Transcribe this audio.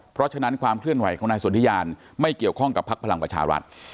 เพราะฉะนั้นความเคลื่อนไหวของนายสนทิยานไม่เกี่ยวข้องกับพักพลังประชารัฐ